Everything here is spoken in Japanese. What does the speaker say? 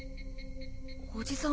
おじさん